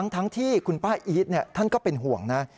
ทั้งที่คุณป้าอีทท่านก็เป็นห่วงนะ